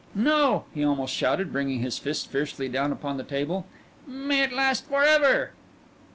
"No!" he almost shouted, bringing his fist fiercely down upon the table. "May it last forever!"